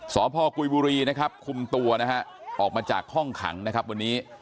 สพกุยบุรีนะครับคุมตัวนะฮะออกมาจากห้องขังนะครับวันนี้